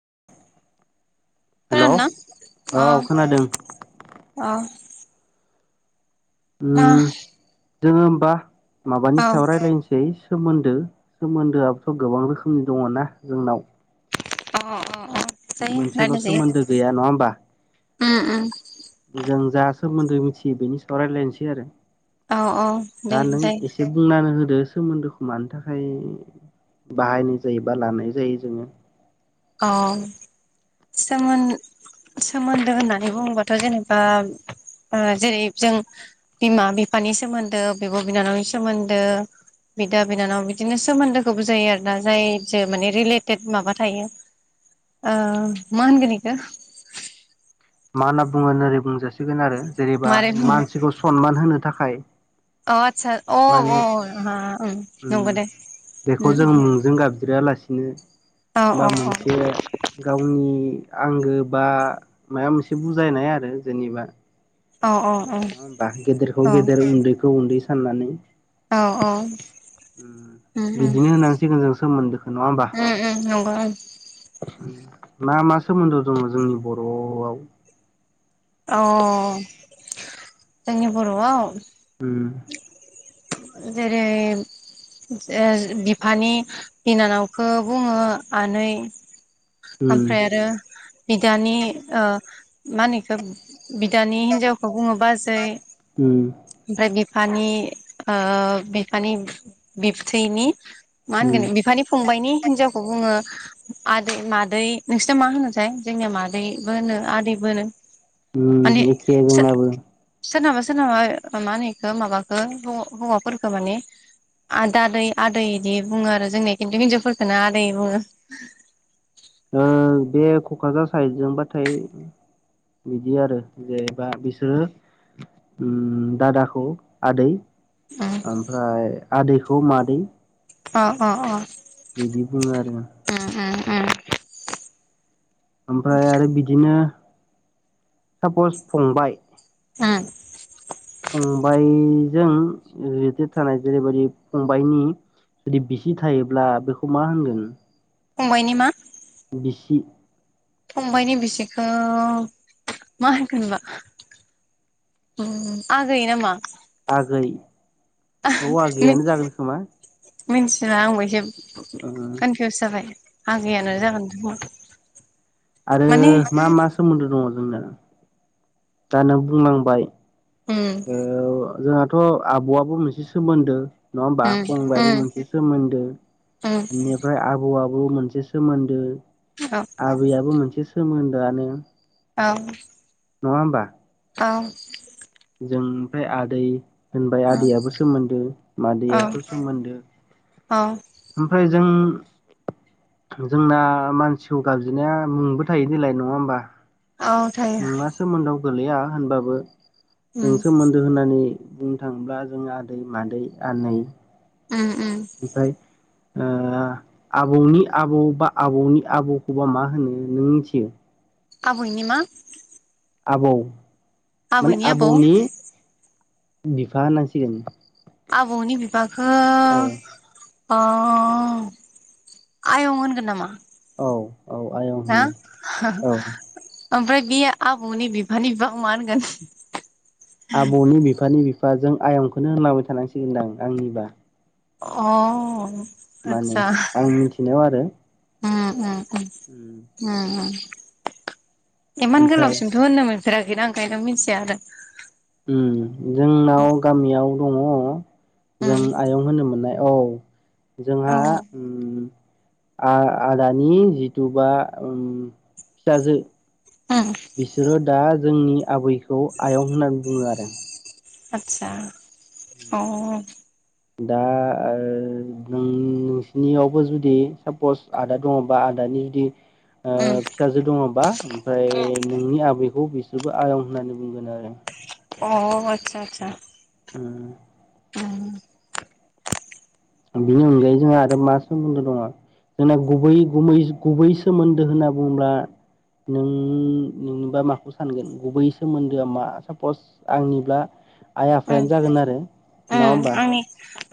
[inaudible] हेल' खोनादोंना औ अ खोनादों। अ अ जोङो होमबा औ अ माबानि सायाव रायलायनोसै सोमोन्दो सोमोन्दोआबोथ' गोबां रोखोमनि दङ ना जोंनाव अ अ। जायो मोनसेल' रायलाय जायो सोमोन्दो गैया नङा होमबा उम उम जों जा सोमोन्दो मिथियो बेनि सायाव रायलायनोसै आरो औ औ दे दा नों जायो एसे बुंनानै हो दो सोमोन्दोखौ मानि थाखाय बाहायनाय जायो बा लानाय जायो जोङो? औ सोमोन सोमोन्दो होननानै बुङोबाथ' जेनेबा जेरै जों बिमा बिफानि सोमोन्दो बिब' बिनानावनि सोमोन्दो बिदा बिनानाव बिदिनो सोमोन्दोखौ बुजायो आरोना जाय जे माने रिलेटेड माबा थायो। अ मा होनगोन बिखो मा होनना बुङो ओरै बुंजासिगोन आरो जेनेबा मारै बुङो मानसिखौ सनमान होनो थाखाय अ आतसा अ माने अ उम नंगौ दे। बेखौ उम जों उम मुंजों गाबज्रियालासि बिनो औ बा औ औ मोनसे गावनि आंगो बा माबा मोनसे बुजायनाय आरो जेनेबा औ औ नङा औ होमबा गेदेरखौ औ गेदेर उन्दैखौ उन्दै साननानै। औ औ उम बिदिनो होनांसिगोन जों सोमोन्दोखौ नङा होमबा? उम उम नंगौ उम मा मा सोमोन्दो दङ जोंनि बर'आव? अ जोंनि बर'आव? उम जेरै ओह बिफानि बिनानावखो बुङो आनै उम ओमफ्राय आरो बिदानि ओह मा होनो ओब बिदानि हिनजावखौ बुङो बाजै उम ओमफ्राय बिफ फानि ओह बिफानि बिबथैनि मा उम होनगोन बिफानि फंबायनि हिनजावखौ बुङो आदै मादै नोंसोरना मा होनोथाय जोंनिया मादैबो होनो आदैबो होनो। माने उम एखे जोंनाबो सो-सोरनाबा सोरनाबा मा होनो इखो माबाखो हौ-हौवाफोरफोरखौ माने आद आदै आदै बिदि बुङो आरो जोंनिया खिन्थु हिन्जावफोरखौनो आदै बुङो। ओ बे क'क्राझार साइडजोंबाथाय बिदि आरो जे बा बिसोरो ओम दादाखौ आदै । ओमफ्राय आदैखौ मादै । अ अ अ। बिदि बुङो आरो। उम उम उम ओमफ्राय आरो बिदिनो सापस फंबाय। ओम। फंबायजों रिलेटेड थानाय जेरैबायदि फंबायाइनि जुदि बिसि थायोब्ला बेखौ मा होनगोन? फंबायनि मा? बिसि फंबायनि बिसिखौ मा होनगोनबा? ओम आगै ना मा? आगै औ आगैयानो जागोन खोमा। मिन्थिला आंबो एसे कनफिउस जाबाय आगैयानो जागोन खोमा । आरो मा मा सोमोन्दो दङ जोंना दा नों बुंलांबाय। उम ओह जोंहाथ' आब'आबो मोनसे सोमोन्दो नङा होमबा उम फंबायाबो उम मोनसे सोमोन्दो उम बेनिफ्राय आबौ आ बो मोनसे सोमोन्दो औ आबैयाबो मोनसे सोमोन्दोआनो । औ। नङा होमबा? औ। जों ओमफ्राय आदै होनबाय औ आदैयाबो सोमोन्दो मादैआबोथ' सोमोन्दो। औ ओमफ्राय जों जोंना मानसिखौ गाबज्रिनाया मुंबो थायो देलाय नङा होमबा? औ थायो मा सोमोन्दोआव गोलैया होनबाबो उम जों सोमोन्दो होनानै बुंनो थाङोब्ला जों आदै मादै आनै उम उम ओमफ्राय ओह आबौनि आबौ बा आबौनि आबौखौबा मा होनो नों मिथियो? आबयनि मा? आबौ माने आबैनि आबौ आबौनि बिफा होननांसिगोन। आबौनि बिफाखौ औ ओह आयं होनगोन नामा? औ औ आयं ना होनो औ। ओमफ्राय बेयो आबौनि बिफानि बिफाखौ मा होनगोन? आबौनि बिफानि बिफाजों आयंखौनो होनलांबाय थानांसिगोनदां आंनिबा। अह माने आं मिन्थिनायाव आरो ओम ओम ओम ओम ओम । इमान ओमफ्राय गोलावसिमथ' होननो मोनफेराखैना ओंखायनो मिन्थिया आरो। ओम जोंनाव गामियाव दङ जों उम आयं होनो मोननाय। औ जोंहा। औ आ आदानि जिथुबा फिसाजो उम बिसोरो दा जोंनि आबैखौ आयं होननानै बुङो आरो। आतसा अ। दा नोंसिनियावबो जुदि सापस आदा दङबा आदा जुदि उम फिसाजो दङबा ओमफ्राय नोंनि आबै बेखौ बिसोरबो आयं होननानै बुंगोन आरो। अ आतसा आतसा। उम। उम बिनि अनगायै जोंहा आरो मा सोमोन्दो दङ। जोंना गुबै गुबै सोमोन्दो होनना बुङोब्ला । नों नोंनोबा माखौ सानगोन गुबै सोमोन्दोआ मा सापस आंनिब्ला आइ उम आफायानो जागोन आरो नङा उम होमबा? आंनि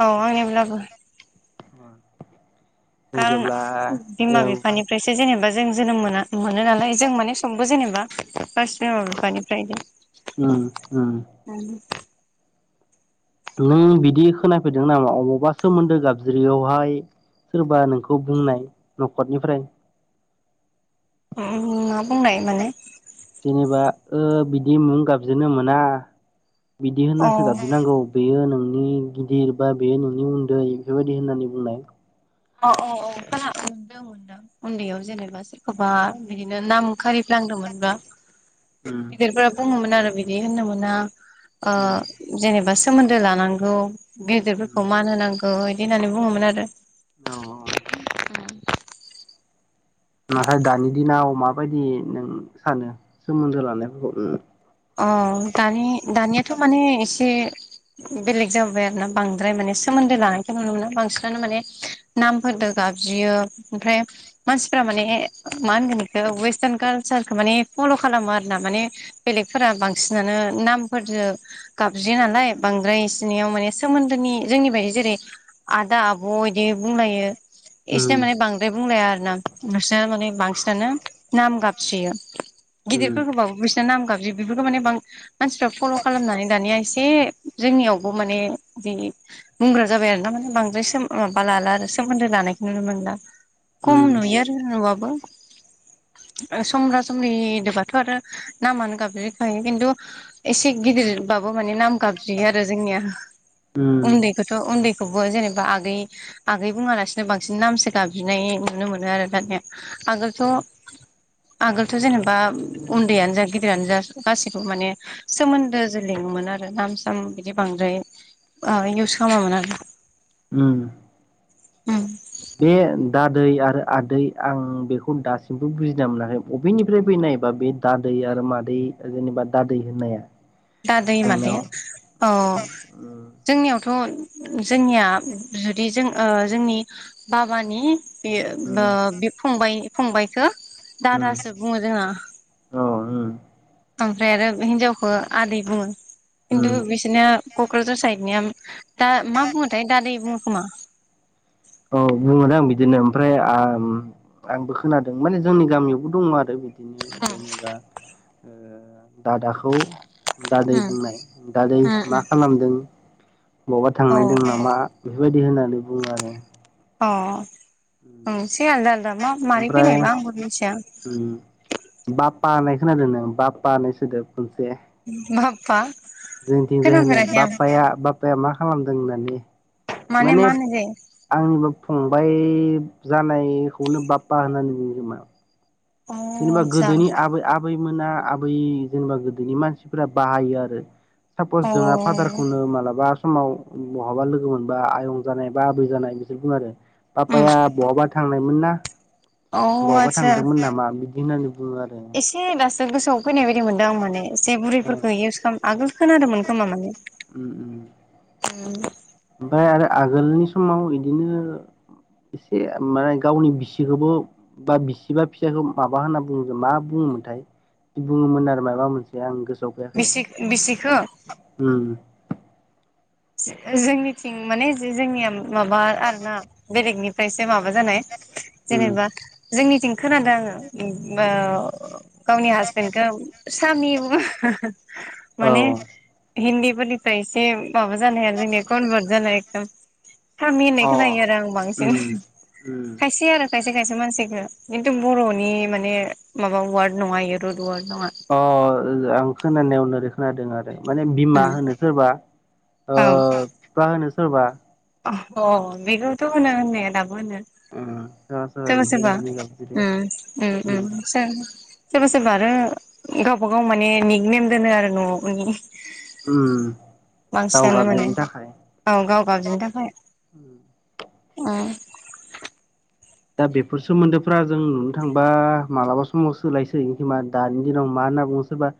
औ आंनिब्लाबो जों खारन जेब्ला बिमा औ बिफानिफ्रायसो जेनेबा जों जोनोम मोना मोनो नालाय जों माने संबो जेनेबा । उम उम [unintelligible] नों बिदि खोनाफेरदों नामा अबावबा सोमोन्दो गाबज्रियावहाय। सोरबा नोंखौ बुंनाय न'खरनिफ्राय। मा बुंनाय माने? जेनेबा बिदि मुं गाबजेनो मोना । बिदि अ होननासो गाबज्रिनांगौ बेयो नों नोंनि गिदिर बा बे नोंनि उन्दै बेफोर बायदि होननानै बुंनाय अ अ खाना औ । उन्दैयाव जेनेबा सोरखौबा बिदिनो नाम खारिफ्लांदोंमोनबा । उम गिदिरफोरा बुङोमोन आरो बिदि होननो मोना उम जेनेबा सोमोन्दो लानांगौ गेदेरफोरखौ उम मान होनांगौ बिदि होननानै बुङोमोन आरो । औ औ । नाथाय दानि दिनाव माबायदि नों सानो सोमोन्दो लानायफोरखौ । अ दानि दानियाथ' माने एसे बेलेग जाबोबाय आरोना बांद्राय माने सोमोन्दो लानायखौ नुनो मोनो बांसिनानो माने नामफोरजों गाबज्रियो ओमफ्राय मानसि माने मा होनगोन बेखौ वेस्टार्न कालसारखौ माने फल' खालामो आरोना माने । बेलेगफोरा बांसिनानो नामफोरजों गाबज्रि नालाय बांद्राय इसनियाव माने सोमोन्दोनि जोंनि बायदि जेरै आदा आब' बिदि बुंलायो । इसना उम माने बांद्राय बुंलाया आरोना बिसिना माने बांसिनानो नाम गाब उम गिदिरफोरखौबाबो बिसना नाम गाबज्रि बेफोरखौ माने बां मानसिफ्रा फल' खालामनानै दानिया एसे जोंनियावबो माने जि बुंग्रा जाबाय आरो ना माने बांद्राय माबा लाला आरो सोमोन्दो नुनो मोनला खम उम नुयो आरोना नुबाबो । समब्रा सब्रिबाथ' आरो नामानो गाब खायो खिन्थु एसे गिदिरबाबो माने नाम गाबज्रियो आरो जोंनिया । उम उन्दैखौथ' उन्दै बे खौबो जेनेबा आगै आगै बुङालासिनो बांसिन नामसो गाबज्रिनाय नुनो मोनो आरो दानिया । आगोलथ'आगोलथ' जेनेबा उन्दैयानो जा गिदिरानो जा गासिबो माने सोमोन्दोजो लिङोमोन आरो नाम साम बिदि बांद्राय इउस खालामामोन आरो । उम। उम । बे दादै आरो आदै आं बेखौ दासिमबो बुजिना मोनाखै बबेनिफ्राय फैनाय । जेनेबा बे दादै आरो मादै जेनेबा दादै होननाया दादै मादै जोंनाव अ उम जोंनियावथ' जोंनिया जुदि जों ओ जोंनि बाबानि बेयो ओ उम बि फंबाय-फंबाइखौ दादासो बुङो जोहा ओ । ओमफ्राय आरो हिनजावखौ आदै बुङो खिन्थु उम बिसोरनो क'क्राझार साइडनिया दा मा बुङोथाय दादै बुङो खोमा? औ बुङोदां बिदिनो ओमफ्राय आम आंबो खोनादों माने जोंनि गामियावबो दङ आरो बिदिनो उम जेनेबा ओ दादाखौ दादै उम बुंनाय दादै मा उम खालामदों मबा थांनो नायदों उम नामा? बेफोरबायदि होननानै बुङो आरो। अ । औ से आलदा आलदा मा मारै ओमफ्राय फैनायबा आंबो मिनथिया बा खोनादों नों? बा बा सोदोब खनसे मा फा जोंनिथिं जाय होनो बाफया बाफया मा खालामदों होननानै माने मा होनो जे आंनिबो फं बाय जानायखौनो बाप्पा होननानै बुङो खोमा अ जेनेबा आतसा गोदोनि आबै आबै मोना आबै जेनेबा गोदोनि मानसिफोरा बाहायो आरो सापस अ जोंना फादारखौनो मालाबा समाव बहाबा लोगो मोनबा आयं जानाय बा आबै जानाय बिसोर बुङो आरो उम बापाया बहाबा थांनायमोन ना अ बहाबा आतसा थांदोंमोन नामा बि एसे दासो गोसोआव फैनाय बायदि मोनदों आं माने एसे बुरैफोरखौ इउस खालाम आगोल खोनादोंमोन खोमा माने उम उम उम ओमफ्राय आरो आगोलनि समाव बिदिनो एसे माने गावनि बिसिखौबो बा बिसि बा फिसायखौ माबा होनना बुङों मा बुङोमोनथाय बुङोमोन आरो माबा मोनसे आं गोसो सोआव फैआखै बिसि बिसिखो उम जो जोंनिथिं माने जोंनिया माबा आरो ना बेलेगनि माबा जानाय उम जेनेबा जोंनिथिं खोनादों आङो उम ओ गावनि हासबेन्डखौ सामि बुङो औ माने हिन्दी फोरनिफ्राय एसे माबा जानाय आरो जोंनिया कनभारट जानाय एकदम सामि होननाय अ खोनायो आरो आं बांसिन उम खायसे आरो खायसे खायसे मानसिखौ खिन्थु बर'नि माने माबा वार्ड नङा इयो रुद वार्ड नङा ओ आं खोनानायाव नोरै खोनादों आरो माने बिमा उम होनो सोरबा ओ औ बिफा होनो सोरबा अ बेखौथ' होनो होननाया दाबो होनो उम सोरबा बिदि सोरबा होननानै गाबज्रियो उम उम उम सोर सोरबा सोरबा आरो गावबाागाव माने निक नेम दोनो आरो न'नि उम गाव बांसिनानो माने गाबज्रिनो थाखाय औ गाव गावदिनि थाखाय उम दा बेफोर सोमोन्दोफ्रा जों नुनो थांबा मालाबा समाव सोलायसो हैगोन खोमा दानि दिनाव मा होनना बुङो सोरबा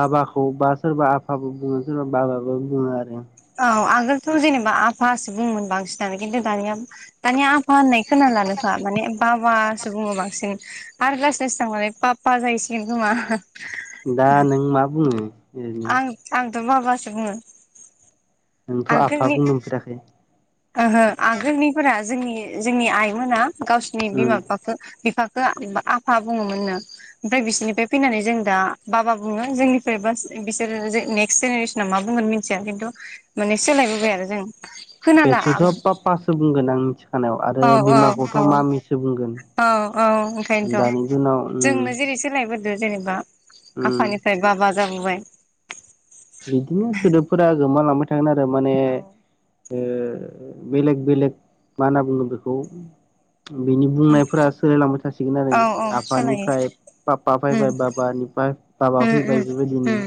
बाबाखौ बा सोरबा आफाबो बुङो सोरबा बाबाबो बुङो आरो औ आगोलथ' जेनेबा आफासो बुङोमोन बांसिनानो खिन्थु दानिया दानिया आफा होननाय खोना लानोखा माने बाबासो बुङो बांसिन आरो लासै लासै थांबालाय पापा जाहैसिगोन खोमा दा नों मा बुङो? ओरैनो आं आंथ' बाबासो बुङो नोंथ' आफा आगोलनि बुंफेराखै? ओहो आगोलनिफोरा जोंनि जोंनि आइमोना गावसिोरनि उम बिमा बिफाखौ बिफा आफा बुङोमोननो ओमफ्राय बिसोरनिफ्राय फैनानै जों दा बाबा बुङो जोंनिफ्राय बास बिसोरो नेक्स्ट जेनेरेसना मा बुंगोन मिथिया खिन्थु माने सोलायबोबाय आरो जों खोनाला बेसोरथ' पाप्पासो बुंगोन आं मिथिखानायाव औ आरो औ बिमाखौथ' औ मामिसो बुंगोन। औ औ दानि ओंखायनोथ' दिनाव उम जोंनो जेरै सोलायबो जेनेबा उम आफानिफ्राय बाबा जाबोबाय। बिदिनो सोदोबफोरा गोमालांबाय थागोन आरो माने। औ ओ बेलेग बेलेग मा होनना बुंडो बेखौ बिनि बुंनायफोरा सोलायलांबाय थासिगोन आरो औ औ सोलायो आफानिफ्राय पा उम फैबाय बाबानिफ्राय दाबा फैबाय बेबायदिनो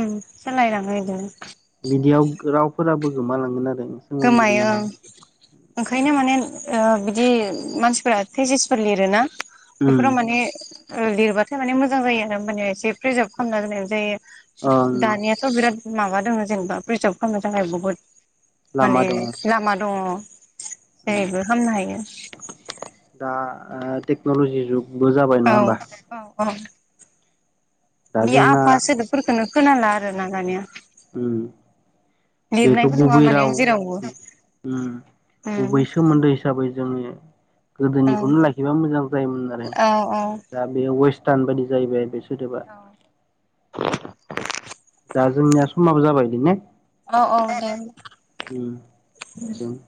ओं सोलायलांडो गिदिंनो। बिदियाव रावफोराबो गोमालांगोन आरो। सोमोन्दो गोमायो दोंनाय आं ओंखायनो माने। ओ बिदि मानसिफोरा थेसिसफोर लिरोना उम बेफोराव माने। लिरबाथाय माने मोजां जायो आरो ह मान एसे प्रिजार्भ खालामना दोन जायो ओं दानियाथ' बिराद। माबा दङ जेनेबा प्रिजार्भ खालामनो थाखाय बहुद लामा माने दङ लामा दङ । जायबो खामनो हायो। दा टेक्न'ल'जि जुगबो जाबाय औ नङा होमबा। औ औ दा बे जोंना आफा सोदोबफोरखौनो खोनाला आरोना दानिया। उम बेथ' लिरनायबो नुवा गुबै माने राव। आं जेरावबो उम उम बबै सोमोन्दो हिसाबै जोङो। औ गोदोनिखौनो लाखिबा मोजां जायोमोन आरो औ दा बे वेस्टार्न बायदि जाहैबाय बे। गोदोबा। औ दा जोंनिया समाबो जाबाय बिदि ने। औ औ दे होमबा उम